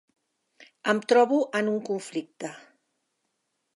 Em trobo en un conflicte.